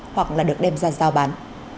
hoặc là được đem ra giao bán